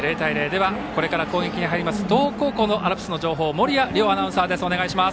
では、これから攻撃に入ります東北高校のアルプスの情報を守屋瞭アナウンサーです。